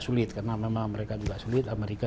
sulit karena memang mereka juga sulit amerika